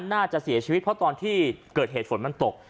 น่าจะเสียชีวิตเพราะตอนที่เกิดเหตุฝนมันตก